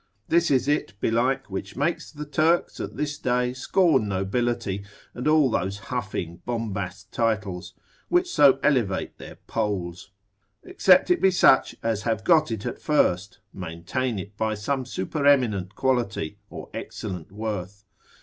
This is it belike which makes the Turks at this day scorn nobility, and all those huffing bombast titles, which so much elevate their poles: except it be such as have got it at first, maintain it by some supereminent quality, or excellent worth.